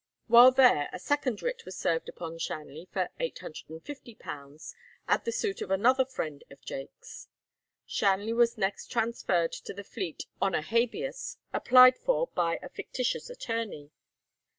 While there a second writ was served upon Shanley for £850, at the suit of another friend of Jaques. Shanley was next transferred to the Fleet on a Habeas, applied for by a fictitious attorney.